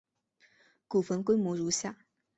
古坟规模如下。